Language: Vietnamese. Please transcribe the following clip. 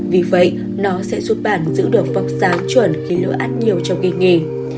vì vậy nó sẽ giúp bạn giữ được phong sáng chuẩn khi lỡ ăn nhiều trong kỳ nghỉ